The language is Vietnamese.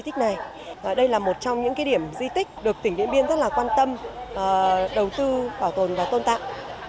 tích này đây là một trong những cái điểm di tích được tỉnh điện biên rất là quan tâm đầu tư bảo tồn và tôn tạng